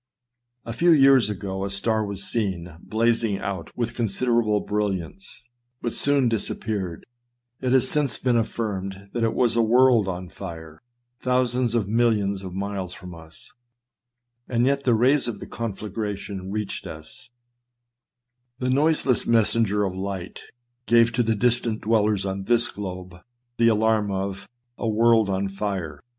A few years ago a star was seen blazing out with considera ble brilliance, but soon disappeared ; it has since been affirmed that it was a world on fire, thousands of mil lions of miles from us, and yet the rays of the confla gration reached us ; the noiseless messenger of light gave to the distant dwellers on this globe the alarm of " A world on fire